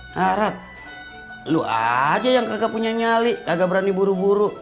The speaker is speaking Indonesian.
harat lu aja yang kagak punya nyali kagak berani buru buru